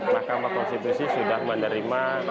mahkamah konstitusi sudah mendidik